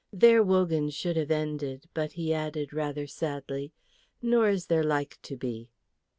There Wogan should have ended, but he added rather sadly, "Nor is there like to be."